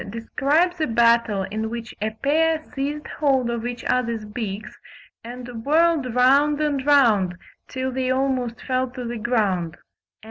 describes a battle in which a pair seized hold of each other's beaks, and whirled round and round, till they almost fell to the ground; and M.